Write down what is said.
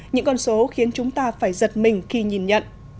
những con số khiến chúng ta phải giật